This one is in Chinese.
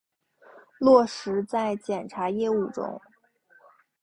落实在检察业务中